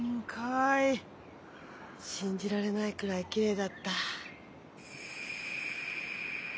信じられないくらいきれいだった。